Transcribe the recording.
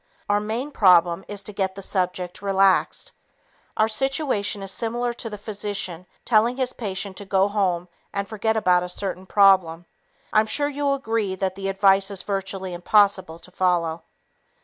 Our main problem is to get the subject relaxed. Our situation is similar to the physician telling his patient to go home and forget about a certain problem. I'm sure you'll agree that the advice is virtually impossible to follow.